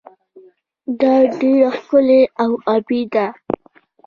دا ډیره ښکلې او ابي ده.